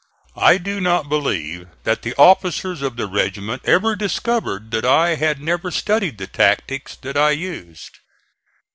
I do not believe that the officers of the regiment ever discovered that I had never studied the tactics that I used.